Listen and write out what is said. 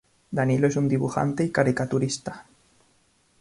Danilo es un dibujante y caricaturista.